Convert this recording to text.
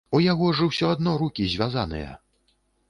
У яго ж усё адно рукі звязаныя.